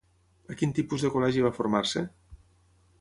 A quin tipus de col·legi va formar-se?